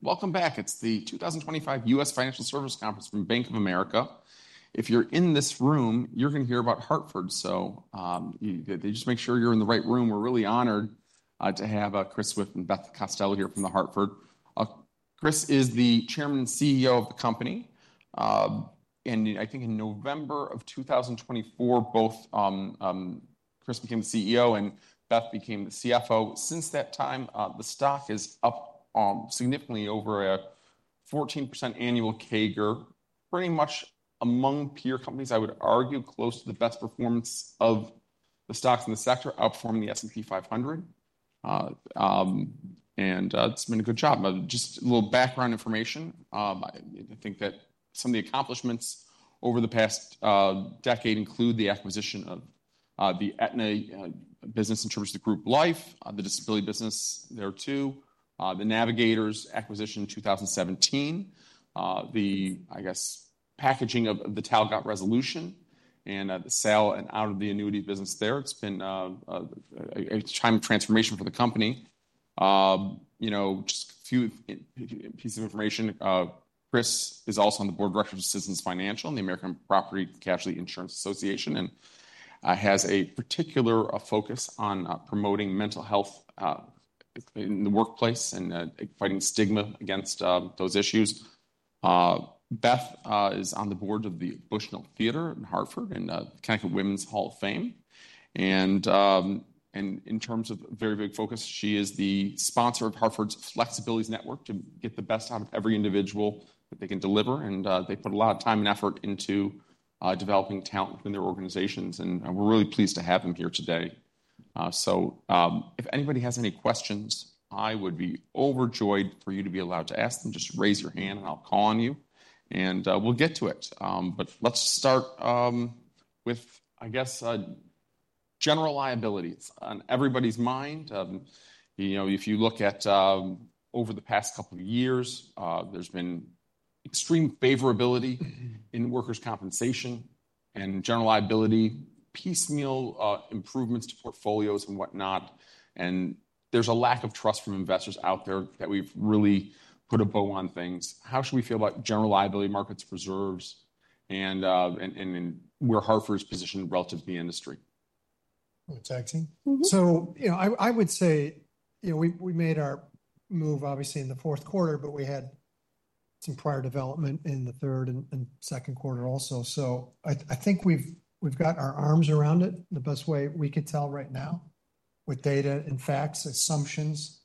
Welcome back. It's the 2025 U.S. Financial Services Conference from Bank of America. If you're in this room, you're going to hear about The Hartford. So just make sure you're in the right room. We're really honored to have Chris Swift and Beth Costello here from The Hartford. Chris is the Chairman and CEO of the company. And I think in November of 2024, both Chris became the CEO and Beth became the CFO. Since that time, the stock is up significantly over a 14% annual CAGR, pretty much among peer companies, I would argue close to the best performance of the stocks in the sector, outperforming the S&P 500. And it's been a good job. Just a little background information. I think that some of the accomplishments over the past decade include the acquisition of the Aetna business in terms of the group life, the disability business there too, the Navigators acquisition in 2017, the, I guess, packaging of the Talcott Resolution, and the sale and out of the annuity business there. It's been a time of transformation for the company. Just a few pieces of information. Chris is also on the board of directors of Citizens Financial and the American Property Casualty Insurance Association and has a particular focus on promoting mental health in the workplace and fighting stigma against those issues. Beth is on the board of the Bushnell Theater in Hartford and the Connecticut Women's Hall of Fame, and in terms of very big focus, she is the sponsor of Hartford's Flex-Abilities Network to get the best out of every individual that they can deliver. And they put a lot of time and effort into developing talent within their organizations. And we're really pleased to have them here today. So if anybody has any questions, I would be overjoyed for you to be allowed to ask them. Just raise your hand and I'll call on you and we'll get to it. But let's start with, I guess, general liability on everybody's mind. If you look at over the past couple of years, there's been extreme favorability in workers' compensation and general liability, piecemeal improvements to portfolios and whatnot. And there's a lack of trust from investors out there that we've really put a bow on things. How should we feel about general liability markets reserves and where Hartford is positioned relative to the industry? What's acting? So I would say we made our move, obviously, in the fourth quarter, but we had some prior development in the third and second quarter also. So I think we've got our arms around it the best way we could tell right now with data and facts, assumptions.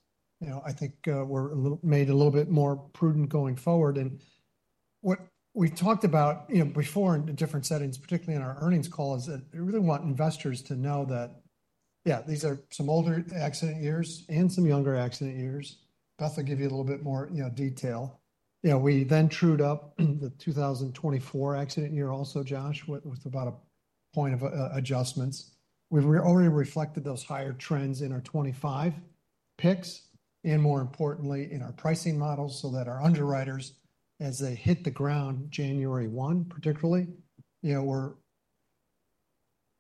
I think we're made a little bit more prudent going forward. And what we've talked about before in different settings, particularly in our earnings call, is that we really want investors to know that, yeah, these are some older accident years and some younger accident years. Beth will give you a little bit more detail. We then trued up the 2024 accident year also, Josh, with about a point of adjustments. We've already reflected those higher trends in our 2025 picks and, more importantly, in our pricing models so that our underwriters, as they hit the ground January 1, particularly,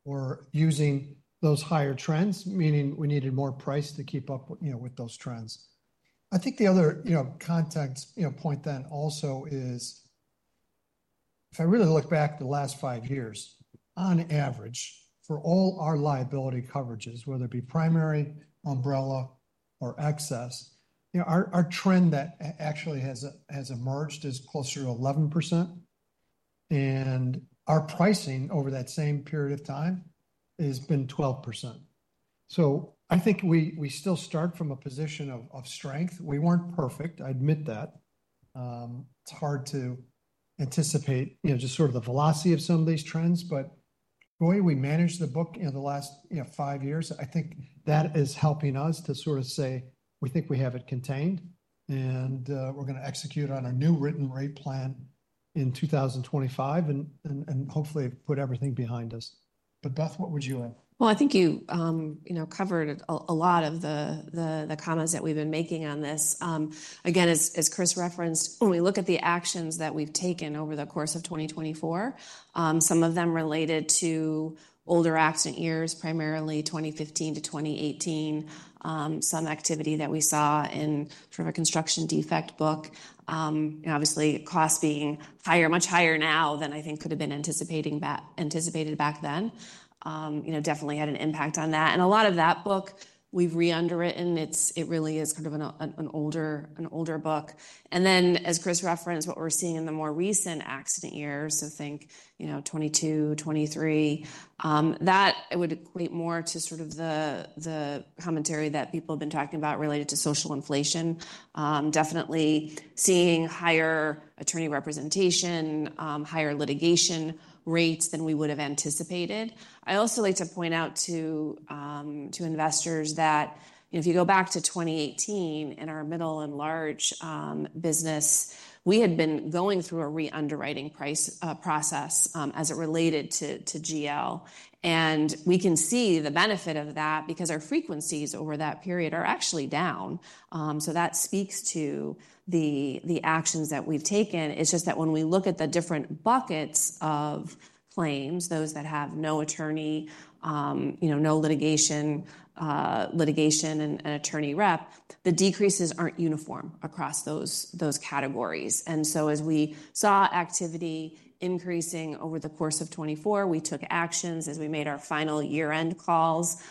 we're using those higher trends, meaning we needed more price to keep up with those trends. I think the other context point then also is, if I really look back the last five years, on average, for all our liability coverages, whether it be primary, umbrella, or excess, our trend that actually has emerged is closer to 11%, and our pricing over that same period of time has been 12%. So I think we still start from a position of strength. We weren't perfect. I admit that. It's hard to anticipate just sort of the velocity of some of these trends. But the way we manage the book in the last five years, I think that is helping us to sort of say we think we have it contained and we're going to execute on our new written rate plan in 2025 and hopefully put everything behind us. But Beth, what would you add? I think you covered a lot of the comments that we've been making on this. Again, as Chris referenced, when we look at the actions that we've taken over the course of 2024, some of them related to older accident years, primarily 2015-2018, some activity that we saw in sort of a construction defect book, obviously costs being higher, much higher now than I think could have been anticipated back then, definitely had an impact on that, and a lot of that book, we've re-underwritten. It really is kind of an older book, and then, as Chris referenced, what we're seeing in the more recent accident years, so think 2022, 2023, that it would equate more to sort of the commentary that people have been talking about related to social inflation, definitely seeing higher attorney representation, higher litigation rates than we would have anticipated. I also like to point out to investors that if you go back to 2018 in our middle and large business, we had been going through a re-underwriting process as it related to GL. And we can see the benefit of that because our frequencies over that period are actually down. So that speaks to the actions that we've taken. It's just that when we look at the different buckets of claims, those that have no attorney, no litigation, litigation and attorney rep, the decreases aren't uniform across those categories. And so as we saw activity increasing over the course of 2024, we took actions as we made our final year-end calls.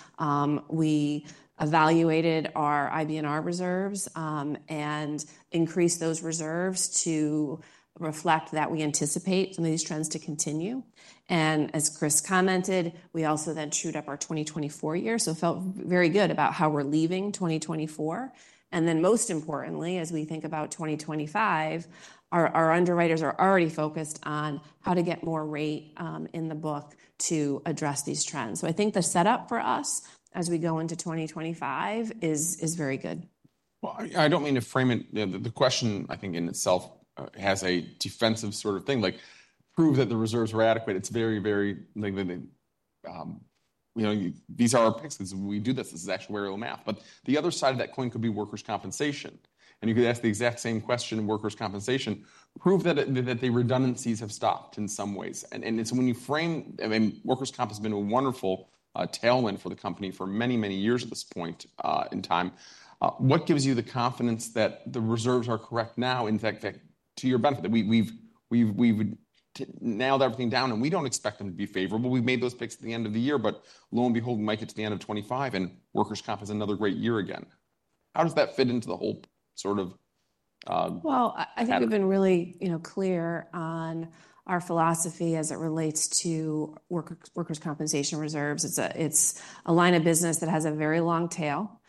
We evaluated our IBNR reserves and increased those reserves to reflect that we anticipate some of these trends to continue. And as Chris commented, we also then trued up our 2024 year. So we felt very good about how we're leaving 2024, and then most importantly, as we think about 2025, our underwriters are already focused on how to get more rate in the book to address these trends, so I think the setup for us as we go into 2025 is very good. I don't mean to frame it. The question, I think in itself, has a defensive sort of thing, like prove that the reserves were adequate. It's very, very like, these are our picks. We do this. This is actuarial math. But the other side of that coin could be workers' compensation. And you could ask the exact same question, workers' compensation, prove that the redundancies have stopped in some ways. And so when you frame, I mean, workers' comp has been a wonderful tailwind for the company for many, many years at this point in time. What gives you the confidence that the reserves are correct now, in fact, to your benefit? We've nailed everything down and we don't expect them to be favorable. We've made those picks at the end of the year, but lo and behold, we might get to the end of 2025 and workers' comp is another great year again. How does that fit into the whole sort of? I think we've been really clear on our philosophy as it relates to workers' compensation reserves. It's a line of business that has a very long tail.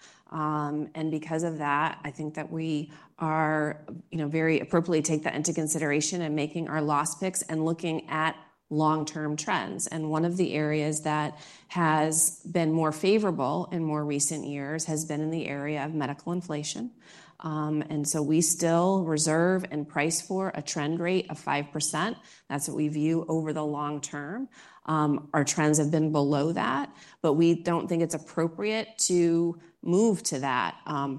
Because of that, I think that we very appropriately take that into consideration and making our loss picks and looking at long-term trends. One of the areas that has been more favorable in more recent years has been in the area of medical inflation. We still reserve and price for a trend rate of 5%. That's what we view over the long term. Our trends have been below that, but we don't think it's appropriate to move to that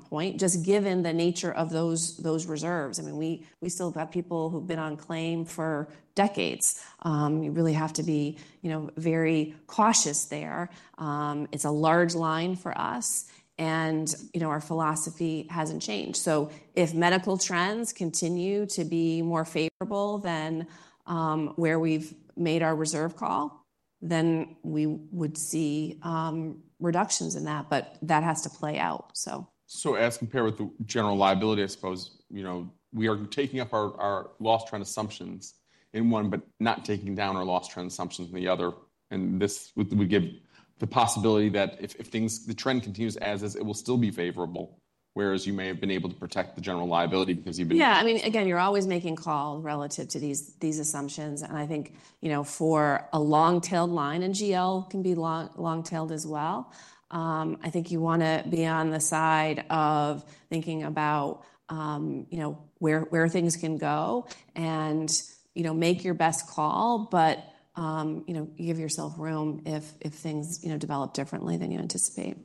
point just given the nature of those reserves. I mean, we still have people who've been on claim for decades. You really have to be very cautious there. It's a large line for us. Our philosophy hasn't changed. If medical trends continue to be more favorable than where we've made our reserve call, then we would see reductions in that, but that has to play out. So as compared with the General Liability, I suppose we are taking up our loss trend assumptions in one, but not taking down our loss trend assumptions in the other. And this would give the possibility that if the trend continues as is, it will still be favorable, whereas you may have been able to protect the General Liability because you've been. Yeah, I mean, again, you're always making calls relative to these assumptions. And I think for a long-tailed line in GL can be long-tailed as well. I think you want to be on the side of thinking about where things can go and make your best call, but give yourself room if things develop differently than you anticipate.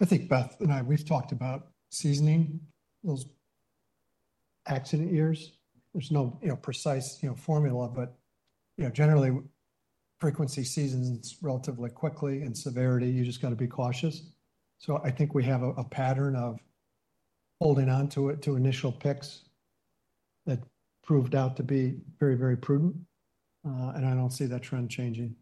I think Beth and I, we've talked about seasoning those accident years. There's no precise formula, but generally frequency seasons relatively quickly and severity, you just got to be cautious. So I think we have a pattern of holding on to it to initial picks that proved out to be very, very prudent. And I don't see that trend changing.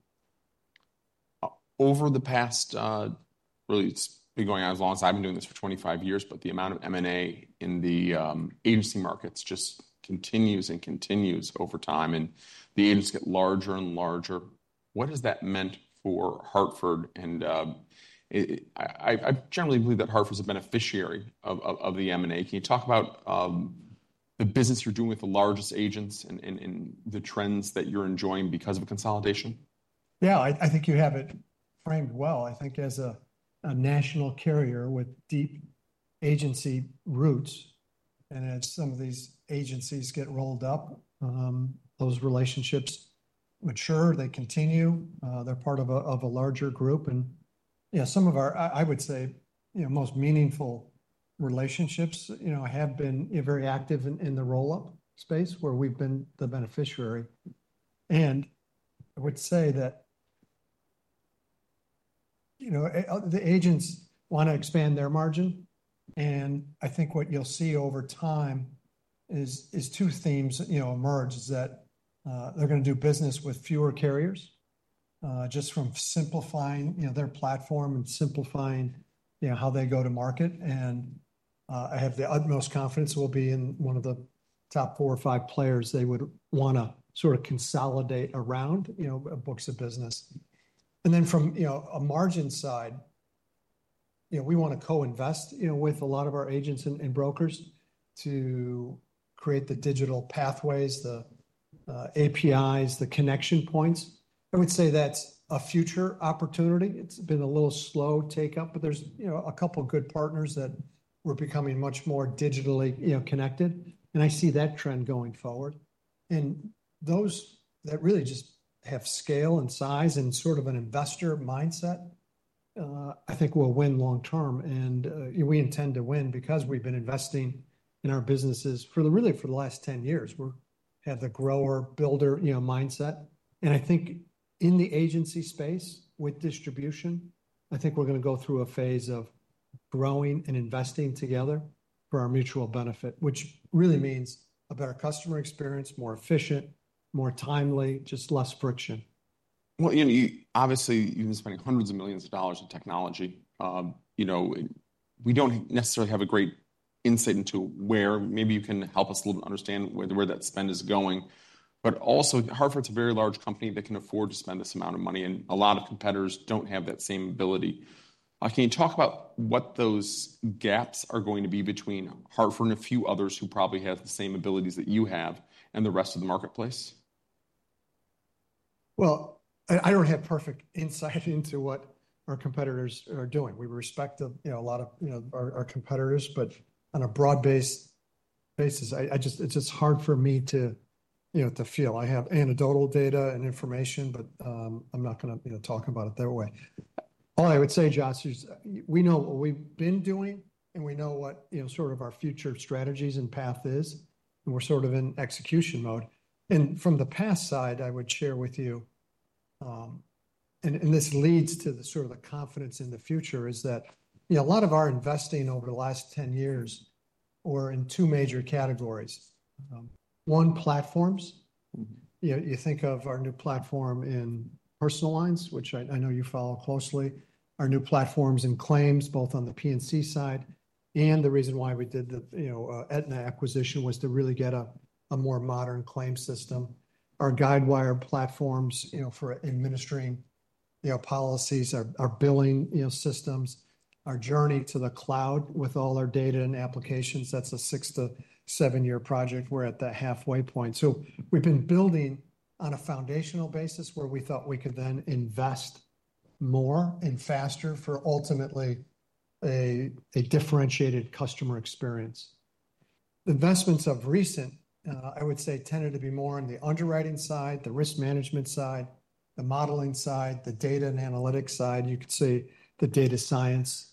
Over the past, really, it's been going on as long as I've been doing this for 25 years, but the amount of M&A in the agency markets just continues and continues over time and the agents get larger and larger. What has that meant for Hartford? And I generally believe that Hartford's a beneficiary of the M&A. Can you talk about the business you're doing with the largest agents and the trends that you're enjoying because of consolidation? Yeah, I think you have it framed well. I think as a national carrier with deep agency roots, and as some of these agencies get rolled up, those relationships mature, they continue, they're part of a larger group. And yeah, some of our, I would say, most meaningful relationships have been very active in the roll-up space where we've been the beneficiary. And I would say that the agents want to expand their margin. And I think what you'll see over time is two themes emerge is that they're going to do business with fewer carriers just from simplifying their platform and simplifying how they go to market. And I have the utmost confidence it will be in one of the top four or five players they would want to sort of consolidate around books of business. And then from a margin side, we want to co-invest with a lot of our agents and brokers to create the digital pathways, the APIs, the connection points. I would say that's a future opportunity. It's been a little slow take up, but there's a couple of good partners that we're becoming much more digitally connected. And I see that trend going forward. And those that really just have scale and size and sort of an investor mindset, I think will win long term. And we intend to win because we've been investing in our businesses for really for the last 10 years. We have the grower-builder mindset. And I think in the agency space with distribution, I think we're going to go through a phase of growing and investing together for our mutual benefit, which really means a better customer experience, more efficient, more timely, just less friction. Obviously, you've been spending hundreds of millions of dollars in technology. We don't necessarily have a great insight into where maybe you can help us a little bit understand where that spend is going. But also, Hartford's a very large company that can afford to spend this amount of money. And a lot of competitors don't have that same ability. Can you talk about what those gaps are going to be between Hartford and a few others who probably have the same abilities that you have and the rest of the marketplace? I don't have perfect insight into what our competitors are doing. We respect a lot of our competitors, but on a broad-based basis, it's just hard for me to feel. I have anecdotal data and information, but I'm not going to talk about it that way. All I would say, Josh, is we know what we've been doing and we know what sort of our future strategies and path is. We're sort of in execution mode. From the past side, I would share with you, and this leads to the sort of the confidence in the future is that a lot of our investing over the last 10 years were in two major categories. One, platforms. You think of our new platform in personal lines, which I know you follow closely. Our new platforms in claims, both on the P&C side. And the reason why we did the Aetna acquisition was to really get a more modern claim system. Our Guidewire platforms for administering policies, our billing systems, our journey to the cloud with all our data and applications. That's a six-to-seven-year project. We're at the halfway point. So we've been building on a foundational basis where we thought we could then invest more and faster for ultimately a differentiated customer experience. Investments of recent, I would say, tended to be more on the underwriting side, the risk management side, the modeling side, the data and analytics side. You could see the data science,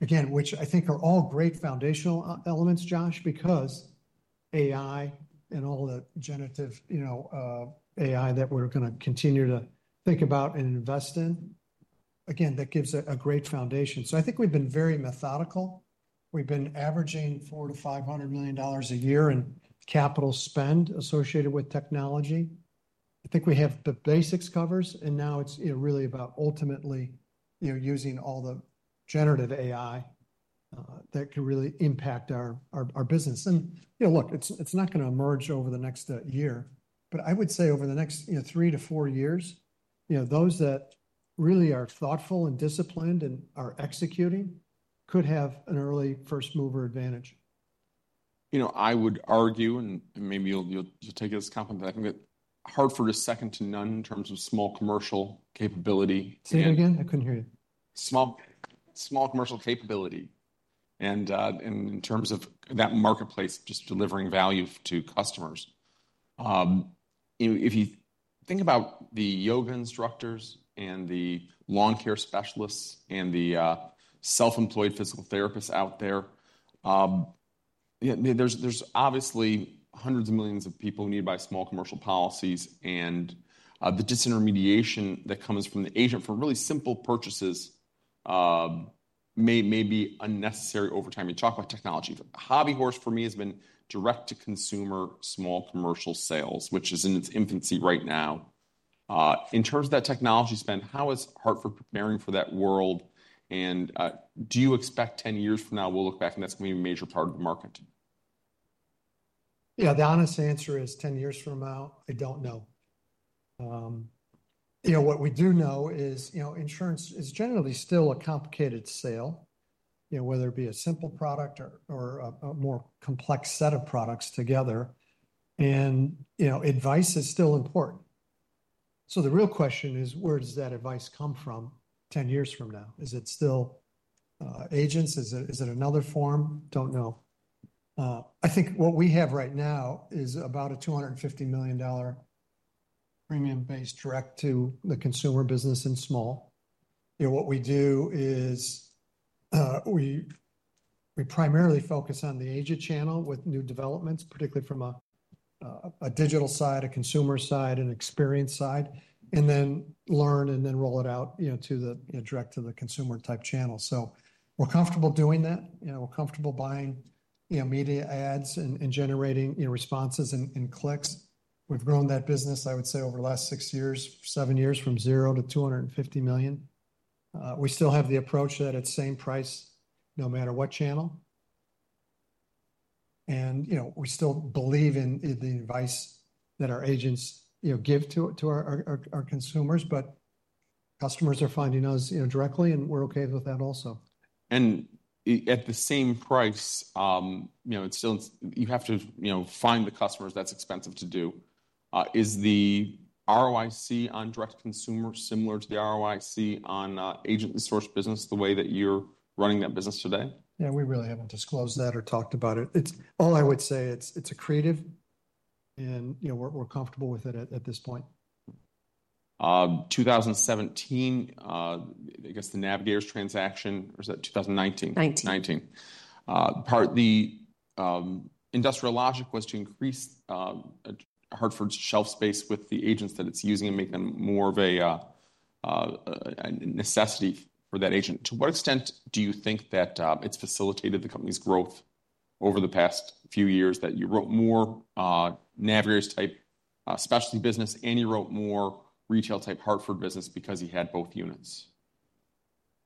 again, which I think are all great foundational elements, Josh, because AI and all the generative AI that we're going to continue to think about and invest in, again, that gives a great foundation. So I think we've been very methodical. We've been averaging $400 million-$500 million a year in capital spend associated with technology. I think we have the basics covered, and now it's really about ultimately using all the generative AI that can really impact our business, and look, it's not going to emerge over the next year, but I would say over the next three to four years, those that really are thoughtful and disciplined and are executing could have an early first mover advantage. I would argue, and maybe you'll take it as compliment. I think that Hartford is second to none in terms of small commercial capability. Say that again. I couldn't hear you. Small commercial capability. And in terms of that marketplace, just delivering value to customers. If you think about the yoga instructors and the lawn care specialists and the self-employed physical therapists out there, there's obviously hundreds of millions of people who need to buy small commercial policies. And the disintermediation that comes from the agent for really simple purchases may be unnecessary over time. You talk about technology. Hobby Horse for me has been direct-to-consumer small commercial sales, which is in its infancy right now. In terms of that technology spend, how is Hartford preparing for that world? And do you expect 10 years from now we'll look back and that's going to be a major part of the market? Yeah, the honest answer is 10 years from now, I don't know. What we do know is insurance is generally still a complicated sale, whether it be a simple product or a more complex set of products together. And advice is still important. So the real question is, where does that advice come from 10 years from now? Is it still agents? Is it another form? Don't know. I think what we have right now is about a $250 million premium-based direct-to-the-consumer business in small. What we do is we primarily focus on the agent channel with new developments, particularly from a digital side, a consumer side, an experience side, and then learn and then roll it out direct to the consumer type channel. So we're comfortable doing that. We're comfortable buying media ads and generating responses and clicks. We've grown that business, I would say, over the last six years, seven years from zero to $250 million. We still have the approach that it's same price no matter what channel, and we still believe in the advice that our agents give to our consumers, but customers are finding us directly and we're okay with that also. And at the same price, you have to find the customers. That's expensive to do. Is the ROIC on direct-to-consumer similar to the ROIC on agent-sourced business the way that you're running that business today? Yeah, we really haven't disclosed that or talked about it. All I would say, it's a creative and we're comfortable with it at this point. 2017, I guess the Navigators transaction, or is that 2019? '19. The integration logic was to increase Hartford's shelf space with the agents that it's using and make them more of a necessity for that agent. To what extent do you think that it's facilitated the company's growth over the past few years that you wrote more Navigators-type specialty business and you wrote more retail-type Hartford business because you had both units?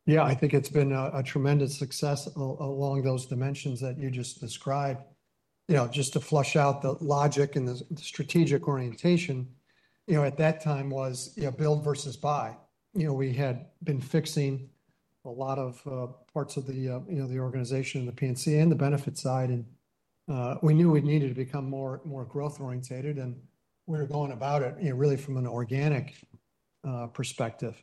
Yeah, I think it's been a tremendous success along those dimensions that you just described. Just to flesh out the logic and the strategic orientation, at that time was build versus buy. We had been fixing a lot of parts of the organization and the P&C and the benefit side. And we knew we needed to become more growth-oriented. And we were going about it really from an organic perspective.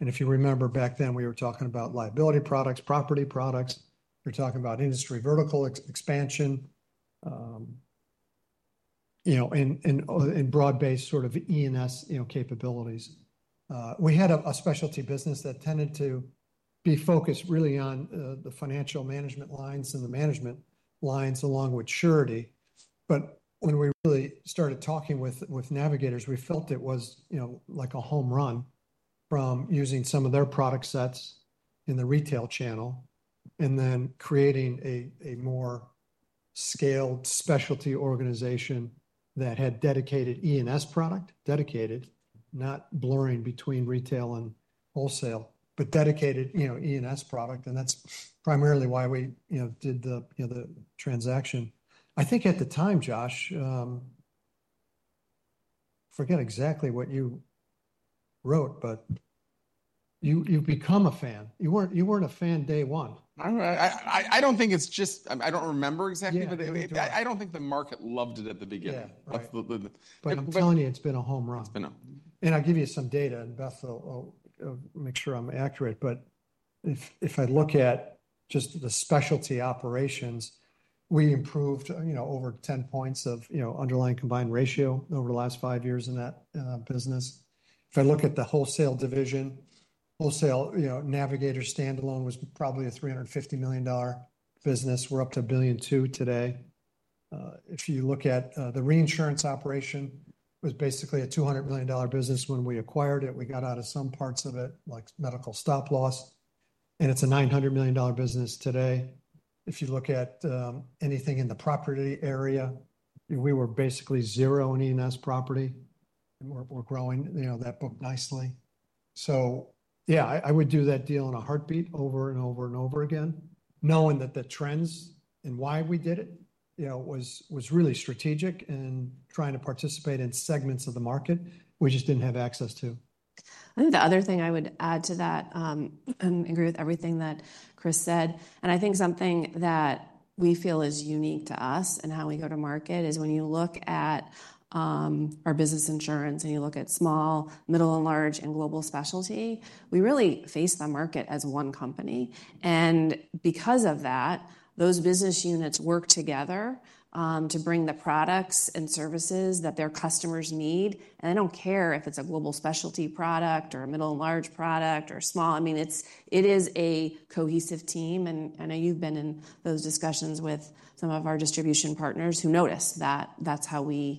And if you remember back then, we were talking about liability products, property products. We were talking about industry vertical expansion and broad-based sort of E&S capabilities. We had a specialty business that tended to be focused really on the financial management lines and the management lines along with surety. But when we really started talking with Navigators, we felt it was like a home run from using some of their product sets in the retail channel and then creating a more scaled specialty organization that had dedicated E&S product, dedicated, not blurring between retail and wholesale, but dedicated E&S product. And that's primarily why we did the transaction. I think at the time, Josh, forget exactly what you wrote, but you've become a fan. You weren't a fan day one. I don't think it's just, I don't remember exactly, but I don't think the market loved it at the beginning. But I'm telling you, it's been a home run. And I'll give you some data and Beth will make sure I'm accurate. But if I look at just the specialty operations, we improved over 10 points of underlying combined ratio over the last five years in that business. If I look at the wholesale division, wholesale Navigators standalone was probably a $350 million business. We're up to $1.2 billion today. If you look at the reinsurance operation, it was basically a $200 million business when we acquired it. We got out of some parts of it, like medical stop loss. And it's a $900 million business today. If you look at anything in the property area, we were basically zero in E&S property. And we're growing that book nicely. Yeah, I would do that deal in a heartbeat over and over and over again, knowing that the trends and why we did it was really strategic and trying to participate in segments of the market we just didn't have access to. I think the other thing I would add to that, I agree with everything that Chris said, and I think something that we feel is unique to us and how we go to market is when you look at our business insurance and you look at small, middle, and large and global specialty, we really face the market as one company, and because of that, those business units work together to bring the products and services that their customers need, and I don't care if it's a global specialty product or a middle and large product or small. I mean, it is a cohesive team, and I know you've been in those discussions with some of our distribution partners who notice that that's how we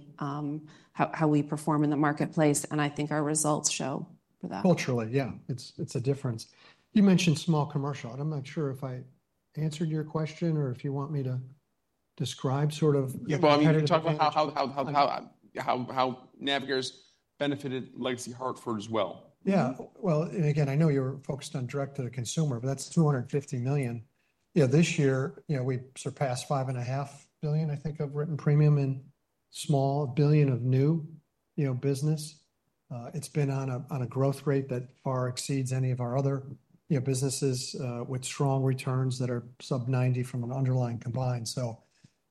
perform in the marketplace, and I think our results show for that. Culturally, yeah. It's a difference. You mentioned small commercial. I'm not sure if I answered your question or if you want me to describe sort of. Yeah, well, I mean, you're talking about how Navigators benefited Legacy Hartford as well. Yeah. Well, and again, I know you're focused on direct-to-the-consumer, but that's $250 million. This year, we surpassed $5.5 billion, I think, of written premium and a small billion of new business. It's been on a growth rate that far exceeds any of our other businesses with strong returns that are sub-90 from an underlying combined. So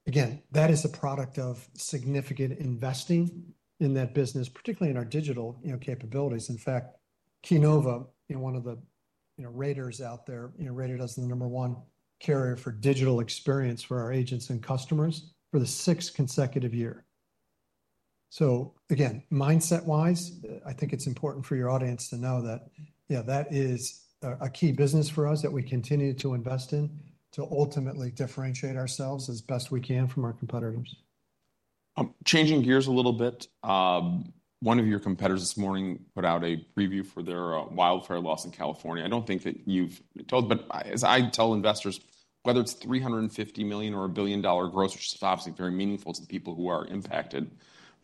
again, that is a product of significant investing in that business, particularly in our digital capabilities. In fact, Keynova, one of the raters out there, rated us the number one carrier for digital experience for our agents and customers for the sixth consecutive year. So again, mindset-wise, I think it's important for your audience to know that, yeah, that is a key business for us that we continue to invest in to ultimately differentiate ourselves as best we can from our competitors. Changing gears a little bit, one of your competitors this morning put out a preview for their wildfire loss in California. I don't think that you've told, but as I tell investors, whether it's $350 million or $1 billion gross, which is obviously very meaningful to the people who are impacted,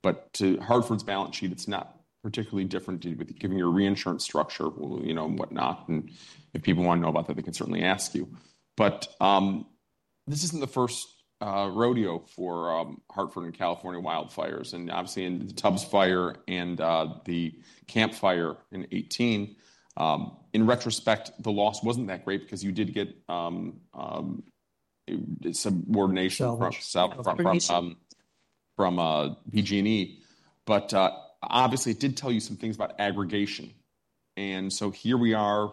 but to Hartford's balance sheet, it's not particularly different with giving your reinsurance structure and whatnot, and if people want to know about that, they can certainly ask you, but this isn't the first rodeo for Hartford and California wildfires, and obviously, in the Tubbs Fire and the Camp Fire in 2018, in retrospect, the loss wasn't that great because you did get subrogation from PG&E, but obviously, it did tell you some things about aggregation, and so here we are,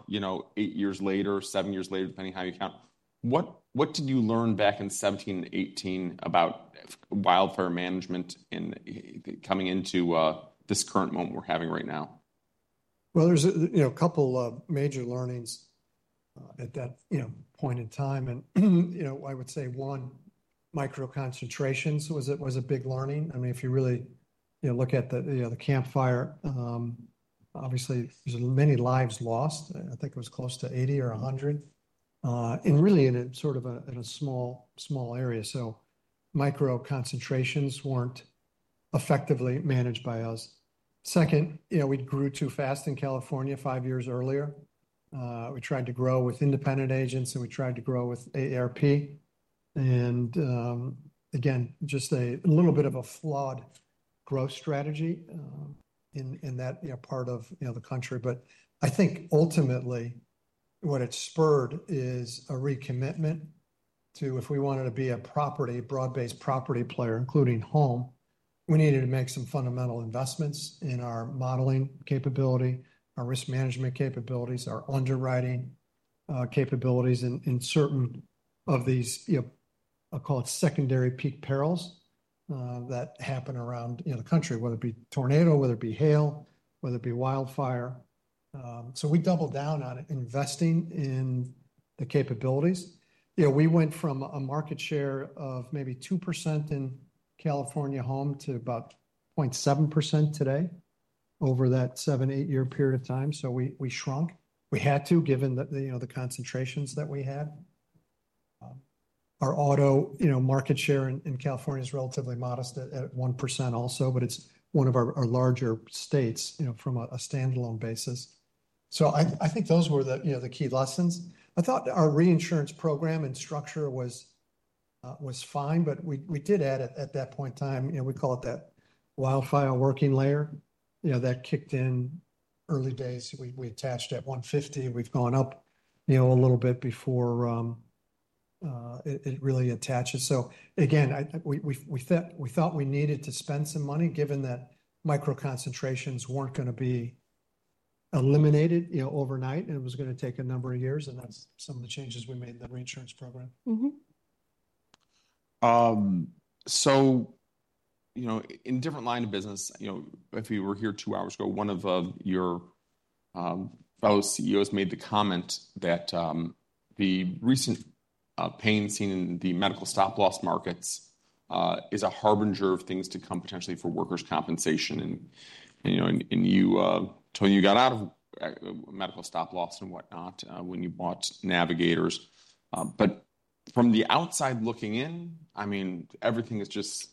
eight years later, seven years later, depending how you count. What did you learn back in 2017 and 2018 about wildfire management and coming into this current moment we're having right now? There's a couple of major learnings at that point in time. I would say one, micro concentrations was a big learning. I mean, if you really look at the Camp Fire, obviously, there's many lives lost. I think it was close to 80 or 100. Really, in a sort of a small area. Micro concentrations weren't effectively managed by us. Second, we grew too fast in California five years earlier. We tried to grow with independent agents and we tried to grow with AARP. Again, just a little bit of a flawed growth strategy in that part of the country. But I think ultimately, what it spurred is a recommitment to, if we wanted to be a broad-based property player, including home, we needed to make some fundamental investments in our modeling capability, our risk management capabilities, our underwriting capabilities in certain of these. I'll call it secondary peak perils that happen around the country, whether it be tornado, whether it be hail, whether it be wildfire. So we doubled down on investing in the capabilities. We went from a market share of maybe 2% in California home to about 0.7% today over that seven, eight-year period of time. So we shrunk. We had to, given the concentrations that we had. Our auto market share in California is relatively modest at 1% also, but it's one of our larger states from a standalone basis. So I think those were the key lessons. I thought our reinsurance program and structure was fine, but we did add it at that point in time. We call it that wildfire working layer that kicked in early days. We attached at 150. We've gone up a little bit before it really attaches. So again, we thought we needed to spend some money given that micro concentrations weren't going to be eliminated overnight and it was going to take a number of years, and that's some of the changes we made in the reinsurance program. So in a different line of business, if you were here two hours ago, one of your fellow CEOs made the comment that the recent pain seen in the medical stop loss markets is a harbinger of things to come potentially for workers' compensation. And you told me you got out of medical stop loss and whatnot when you bought Navigators. But from the outside looking in, I mean, everything is just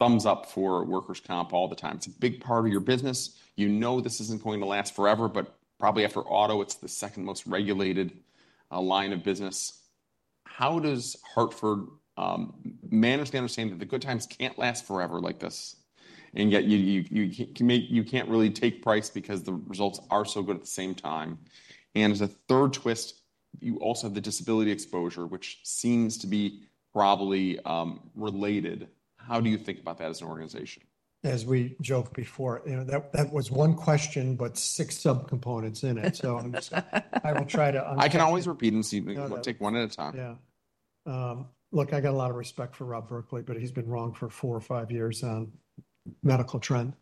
thumbs up for workers' comp all the time. It's a big part of your business. You know this isn't going to last forever, but probably after auto, it's the second most regulated line of business. How does Hartford manage to understand that the good times can't last forever like this? And yet you can't really take price because the results are so good at the same time. And as a third twist, you also have the disability exposure, which seems to be probably related. How do you think about that as an organization? As we joked before, that was one question, but six subcomponents in it. So I will try to. I can always repeat and take one at a time. Yeah. Look, I got a lot of respect for Rob Berkley, but he's been wrong for four or five years on medical trend.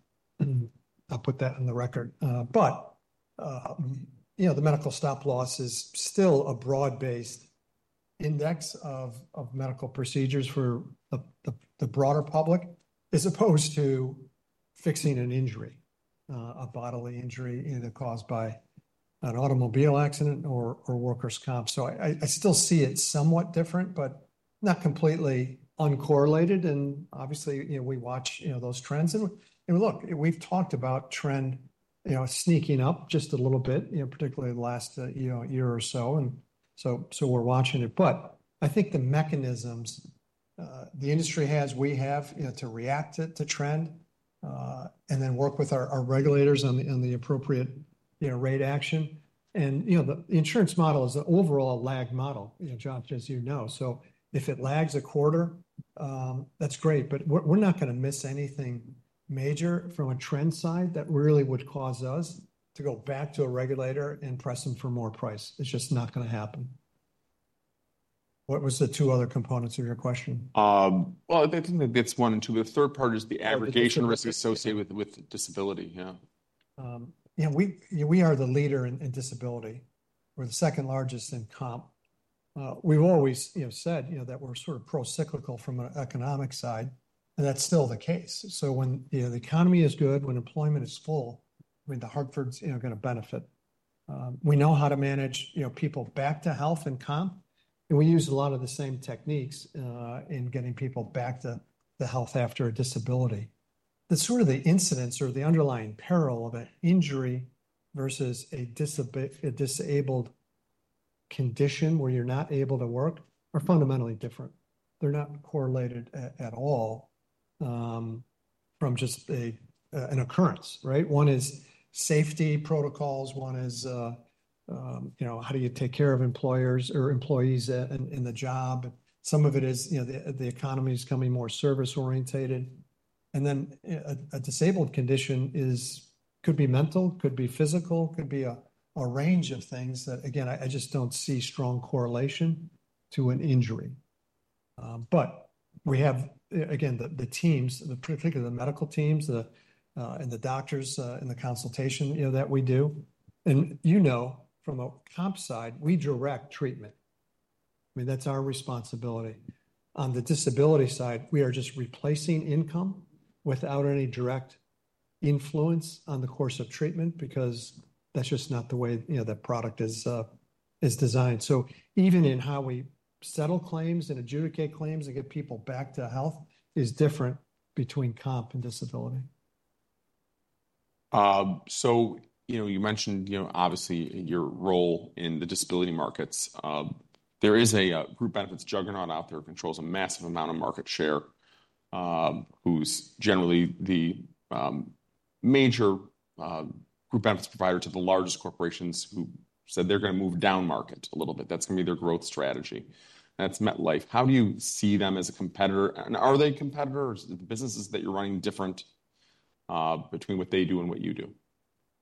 I'll put that on the record. But the medical stop loss is still a broad-based index of medical procedures for the broader public as opposed to fixing an injury, a bodily injury caused by an automobile accident or workers' comp. So I still see it somewhat different, but not completely uncorrelated. And obviously, we watch those trends. And look, we've talked about trend sneaking up just a little bit, particularly the last year or so. And so we're watching it. But I think the mechanisms the industry has, we have to react to trend and then work with our regulators on the appropriate rate action. And the insurance model is an overall lag model, Josh, as you know. So if it lags a quarter, that's great. But we're not going to miss anything major from a trend side that really would cause us to go back to a regulator and press them for more price. It's just not going to happen. What was the two other components of your question? I think it's one and two. The third part is the aggregation risk associated with disability. Yeah. Yeah. We are the leader in disability. We're the second largest in comp. We've always said that we're sort of pro-cyclical from an economic side, and that's still the case, so when the economy is good, when employment is full, I mean, The Hartford's going to benefit. We know how to manage people back to health and comp, and we use a lot of the same techniques in getting people back to the health after a disability. The sort of incidence or the underlying peril of an injury versus a disabled condition where you're not able to work are fundamentally different. They're not correlated at all from just an occurrence. One is safety protocols. One is how do you take care of employers or employees in the job. Some of it is the economy is coming more service-oriented. And then a disabled condition could be mental, could be physical, could be a range of things that, again, I just don't see strong correlation to an injury. But we have, again, the teams, particularly the medical teams and the doctors in the consultation that we do. And you know from a comp side, we direct treatment. I mean, that's our responsibility. On the disability side, we are just replacing income without any direct influence on the course of treatment because that's just not the way that product is designed. So even in how we settle claims and adjudicate claims and get people back to health is different between comp and disability. So you mentioned, obviously, your role in the disability markets. There is a group benefits juggernaut out there who controls a massive amount of market share, who's generally the major group benefits provider to the largest corporations who said they're going to move down market a little bit. That's going to be their growth strategy. That's MetLife. How do you see them as a competitor? And are they a competitor? Are the businesses that you're running different between what they do and what you do?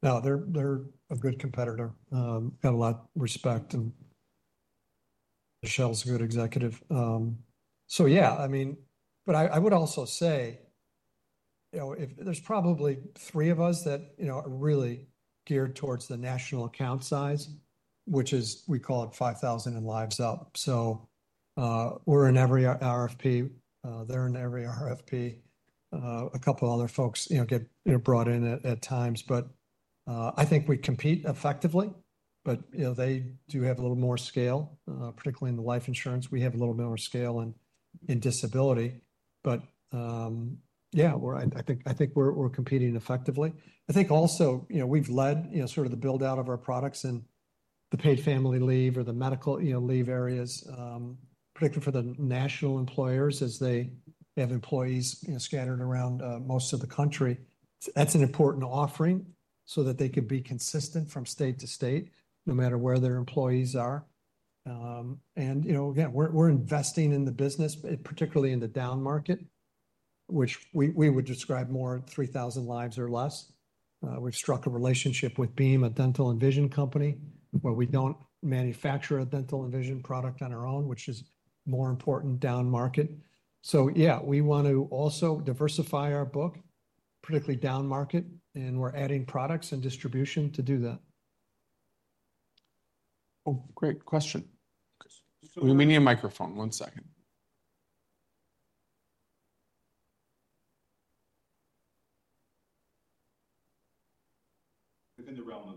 No, they're a good competitor. Got a lot of respect, and Michel's a good executive, so yeah, I mean, but I would also say there's probably three of us that are really geared towards the national account size, which is, we call it, 5,000 lives and up, so we're in every RFP. They're in every RFP. A couple of other folks get brought in at times, but I think we compete effectively, but they do have a little more scale, particularly in the life insurance. We have a little more scale in disability, but yeah, I think we're competing effectively. I think also we've led sort of the build-out of our products in the paid family leave or the medical leave areas, particularly for the national employers as they have employees scattered around most of the country. That's an important offering so that they could be consistent from state to state no matter where their employees are. And again, we're investing in the business, particularly in the down market, which we would describe more 3,000 lives or less. We've struck a relationship with Beam, a dental and vision company where we don't manufacture a dental and vision product on our own, which is more important down market. So yeah, we want to also diversify our book, particularly down market. And we're adding products and distribution to do that. Great question. We have a microphone. One second. Within the realm of.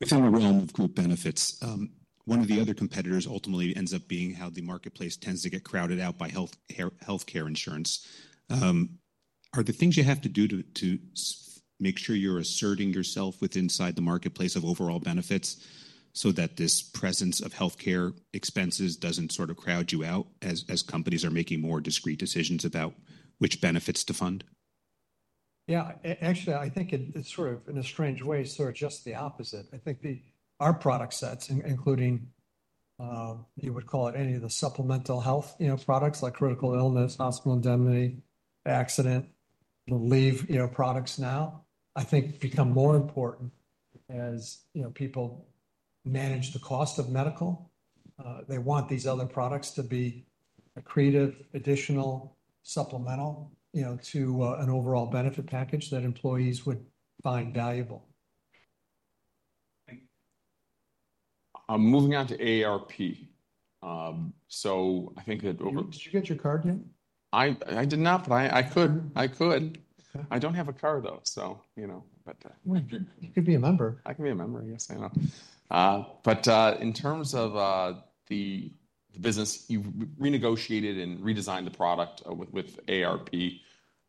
Within the realm of group benefits, one of the other competitors ultimately ends up being how the marketplace tends to get crowded out by healthcare insurance. Are there things you have to do to make sure you're asserting yourself within the marketplace of overall benefits so that this presence of healthcare expenses doesn't sort of crowd you out as companies are making more discrete decisions about which benefits to fund? Yeah. Actually, I think it's sort of in a strange way, sort of just the opposite. I think our product sets, including you would call it any of the supplemental health products like critical illness, hospital indemnity, accident, leave products now, I think become more important as people manage the cost of medical. They want these other products to be creative, additional, supplemental to an overall benefit package that employees would find valuable. Moving on to AARP. So I think that. Did you get your card yet? I did not, but I could. I could. I don't have a card, though, so. You could be a member. I can be a member, yes, I know. But in terms of the business, you've renegotiated and redesigned the product with AARP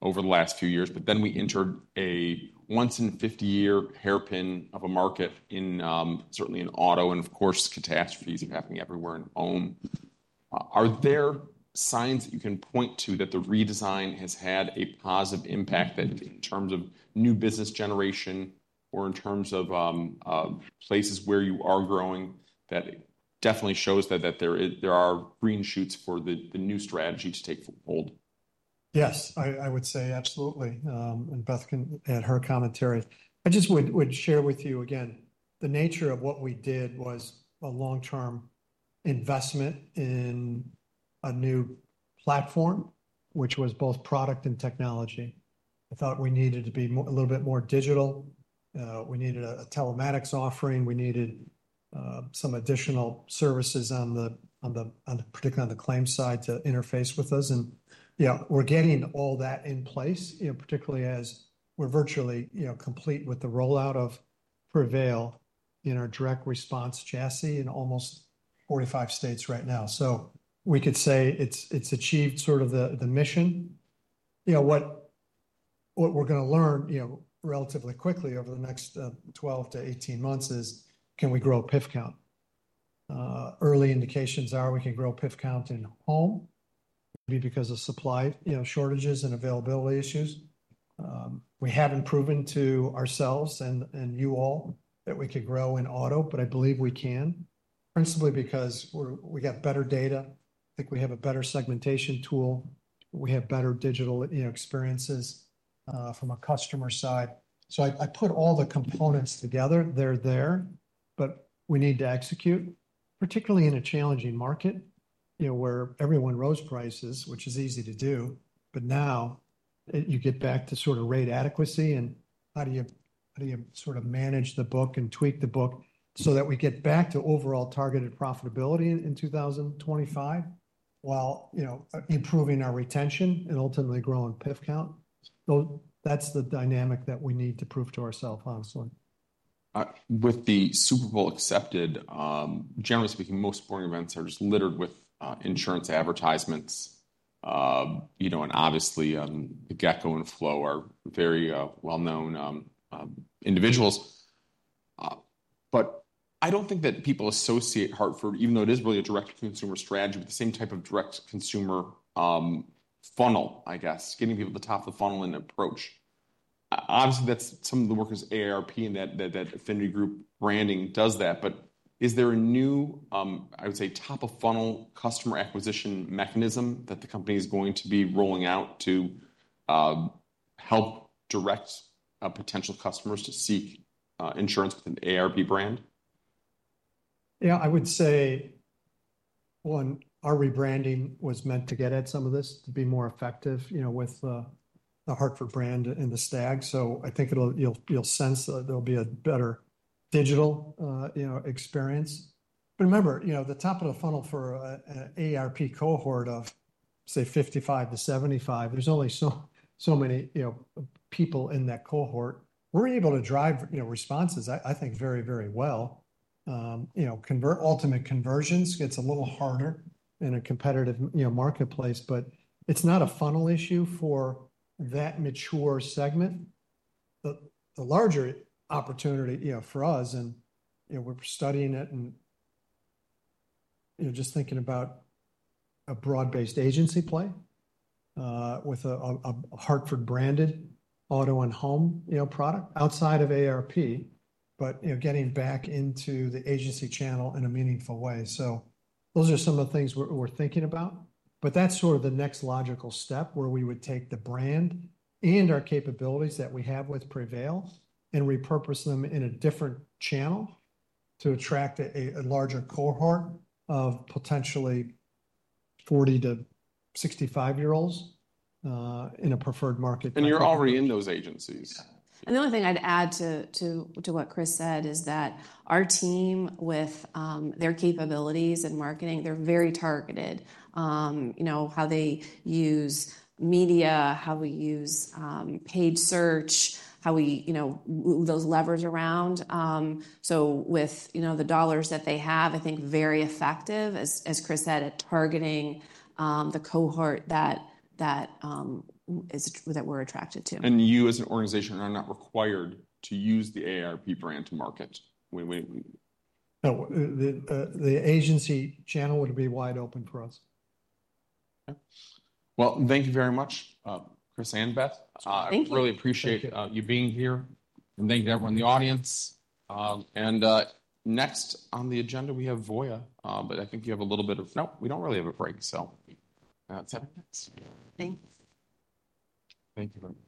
over the last few years. But then we entered a once-in-50-year hairpin of a market in, certainly, in auto and, of course, catastrophes are happening everywhere in home. Are there signs that you can point to that the redesign has had a positive impact in terms of new business generation or in terms of places where you are growing that definitely shows that there are green shoots for the new strategy to take hold? Yes, I would say absolutely, and Beth can add her commentary. I just would share with you again, the nature of what we did was a long-term investment in a new platform, which was both product and technology. I thought we needed to be a little bit more digital. We needed a telematics offering. We needed some additional services on the, particularly on the claim side to interface with us, and yeah, we're getting all that in place, particularly as we're virtually complete with the rollout of Prevail in our direct response chassis in almost 45 states right now, so we could say it's achieved sort of the mission. What we're going to learn relatively quickly over the next 12 to 18 months is can we grow PIF count? Early indications are we can grow PIF count in home. It would be because of supply shortages and availability issues. We haven't proven to ourselves and you all that we could grow in auto, but I believe we can, principally because we got better data. I think we have a better segmentation tool. We have better digital experiences from a customer side. So I put all the components together. They're there, but we need to execute, particularly in a challenging market where everyone rose prices, which is easy to do. But now you get back to sort of rate adequacy and how do you sort of manage the book and tweak the book so that we get back to overall targeted profitability in 2025 while improving our retention and ultimately growing PIF count? That's the dynamic that we need to prove to ourselves, honestly. With the Super Bowl accepted, generally speaking, most sporting events are just littered with insurance advertisements. And obviously, Gecko and Flo are very well-known individuals. But I don't think that people associate Hartford, even though it is really a direct-to-consumer strategy, with the same type of direct-to-consumer funnel, I guess, getting people to top of the funnel and approach. Obviously, that's some of the work that AARP and that affinity group branding does that. But is there a new, I would say, top-of-funnel customer acquisition mechanism that the company is going to be rolling out to help direct potential customers to seek insurance with an AARP brand? Yeah, I would say, one, our rebranding was meant to get at some of this to be more effective with the Hartford brand and the Stag. So I think you'll sense that there'll be a better digital experience. But remember, the top of the funnel for an AARP cohort of, say, 55 to 75, there's only so many people in that cohort. We're able to drive responses, I think, very, very well. Ultimate conversions gets a little harder in a competitive marketplace, but it's not a funnel issue for that mature segment. The larger opportunity for us, and we're studying it and just thinking about a broad-based agency play with a Hartford-branded auto and home product outside of AARP, but getting back into the agency channel in a meaningful way. So those are some of the things we're thinking about. But that's sort of the next logical step where we would take the brand and our capabilities that we have with Prevail and repurpose them in a different channel to attract a larger cohort of potentially 40 to 65-year-olds in a preferred market. You're already in those agencies. And the only thing I'd add to what Chris said is that our team with their capabilities and marketing, they're very targeted. How they use media, how we use paid search, how we move those levers around. So with the dollars that they have, I think very effective, as Chris said, at targeting the cohort that we're attracted to. You as an organization are not required to use the AARP brand to market. No, the agency channel would be wide open for us. Thank you very much, Chris and Beth. Thank you. Really appreciate you being here. And thank you to everyone in the audience. And next on the agenda, we have Voya. But I think you have a little bit of, no, we don't really have a break. So that's it. Thanks. Thank you.